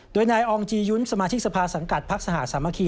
โดยนายอองจียุ้นสมาชิกสภาสังกัดพักสหสามัคคี